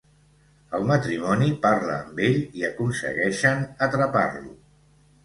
El matrimoni parla amb ell i aconsegueixen atrapar-lo.